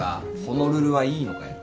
ホノルルはいいのかよ。